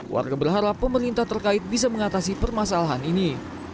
warga berharap pemerintah terkait bisa mengatasi permasalahan ini